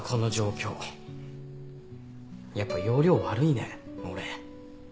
やっぱ要領悪いね俺。